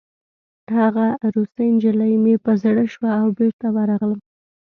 هغه روسۍ نجلۍ مې په زړه شوه او بېرته ورغلم